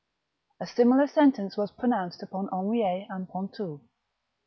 A similar sentence was pronounced upon Henriet and Pontou.